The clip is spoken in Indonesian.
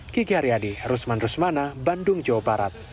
kiki haryadi rusman rusmana bandung jawa barat